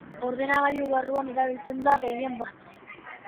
Ordenagailu barruan erabiltzen da gehien bat.